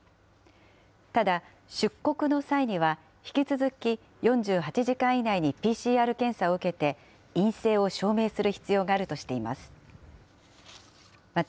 ただ出国の際には、引き続き４８時間以内にＰＣＲ検査を受けて、陰性を証明する必要があるとしています。